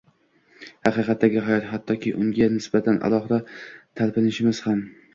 “haqiqatdagi hayot” – hattoki, unga nisbatan alohida talpinishsiz ham